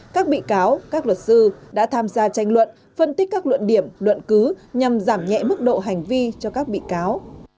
các bị cáo các luật sư đã tham gia tranh luận phân tích các luận điểm luận cứ nhằm giảm nhẹ mức độ hành vi cho các bị cáo